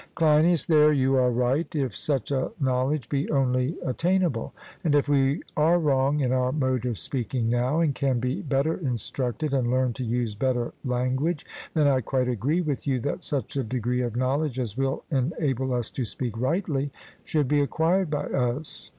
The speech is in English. CLEINIAS: There you are right, if such a knowledge be only attainable; and if we are wrong in our mode of speaking now, and can be better instructed and learn to use better language, then I quite agree with you that such a degree of knowledge as will enable us to speak rightly should be acquired by us.